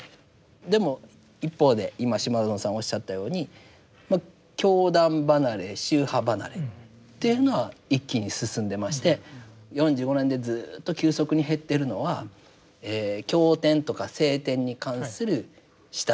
でも一方で今島薗さんおっしゃったようにまあ教団離れ宗派離れというのは一気に進んでまして４５年でずっと急速に減っているのはえ経典とか聖典に関する親しみ。